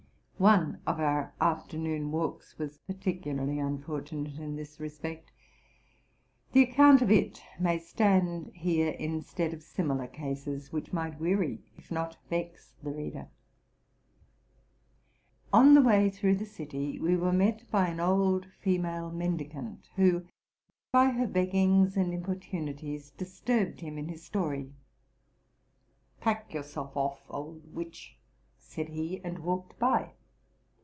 One of our afternoon walks was.particularly unfortunate in this respect : the account of it may stand here instead of simi lar cases, which might weary if not vex the reader. On the way through the city we were met by an old female mendicant, who, by her beggings and importunities, disturbed him in his story. '* Pack yourself off, old witch! '' said he, and walked by.